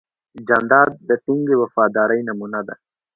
جانداد د ټینګې وفادارۍ نمونه ده.